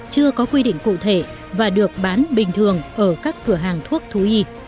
chưa có quy định cụ thể và được bán bình thường ở các cửa hàng thuốc thú y